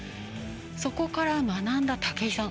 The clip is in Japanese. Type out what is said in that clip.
そこから学んだ、武井さん。